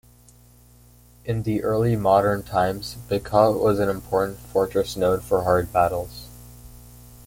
In the early modern times Bykhaw was an important fortress known for hard battles.